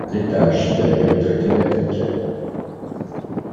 L'étage supérieur est traité en attique.